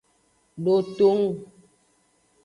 Dotong.